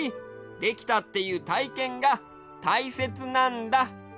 「できた」っていうたいけんがたいせつなんだ。